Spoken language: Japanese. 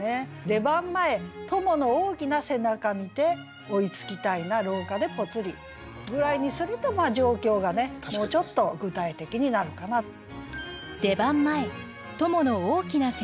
「出番前友の大きな背中見て『追いつきたいな』廊下でポツリ」ぐらいにすると状況がねもうちょっと具体的になるかなと。